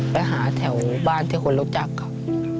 ไปหาแถวบ้านที่คนรู้จักเขา